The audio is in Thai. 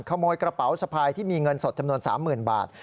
ขโมยกระเป๋าสะพายที่มีเงินสดจำนวน๓๐๐๐บาท